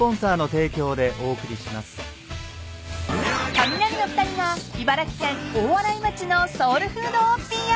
［カミナリの２人が茨城県大洗町のソウルフードをＰＲ］